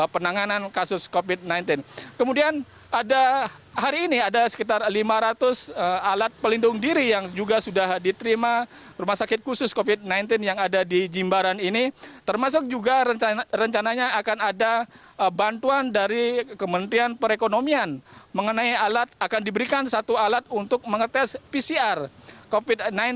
penanganan kasus covid sembilan belas kemudian ada hari ini ada sekitar lima ratus alat pelindung diri yang juga sudah diterima rumah sakit khusus covid sembilan belas yang ada di jimbaran ini termasuk juga rencananya akan ada bantuan dari kementerian perekonomian mengenai alat akan diberikan satu alat untuk mengetes pcr covid sembilan belas